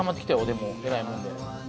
でもえらいもんで。